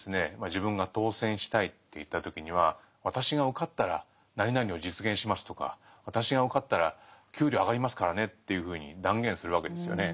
自分が当選したいっていった時には「私が受かったら何々を実現します」とか「私が受かったら給料上がりますからね」というふうに断言するわけですよね。